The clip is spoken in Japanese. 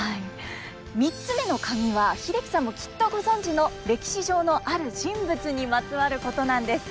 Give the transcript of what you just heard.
３つ目のカギは英樹さんもきっとご存じの歴史上のある人物にまつわることなんです。